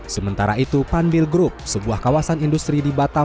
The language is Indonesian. sementara itu panbil group sebuah kawasan industri di batam